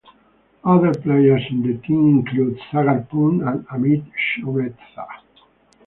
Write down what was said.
Other players in the team included Sagar Pun and Amit Shrestha.